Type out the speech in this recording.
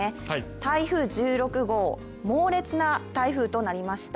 台風１６号、猛烈な台風となりました。